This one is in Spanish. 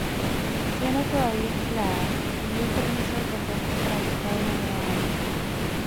Siendo todavía esclava, pidió permiso al convento para buscar una nueva ama.